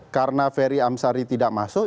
karena ferry amsari tidak masuk